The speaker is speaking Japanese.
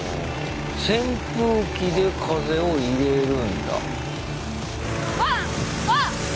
扇風機で風を入れるんだ。